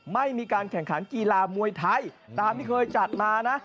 ไม่มีการแข่งขันกีฬามวยไทยตามที่เคยจัดมานะ